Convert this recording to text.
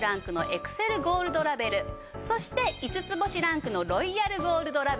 そして５つ星ランクのロイヤルゴールドラベル。